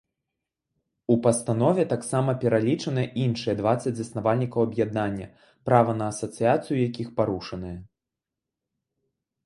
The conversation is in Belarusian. У пастанове таксама пералічаныя іншыя дваццаць заснавальнікаў аб'яднання, права на асацыяцыю якіх парушанае.